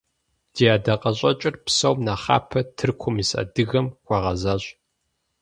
Ди ӀэдакъэщӀэкӀыр, псом нэхъапэ, Тыркум ис адыгэм хуэгъэзащ.